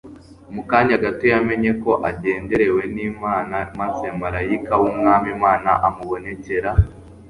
Mu kanya gato yamenye ko agenderewe n'Imana. Maze marayika w'Umwami Imana amubonekera